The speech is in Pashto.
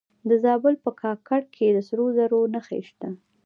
د زابل په کاکړ کې د سرو زرو نښې شته.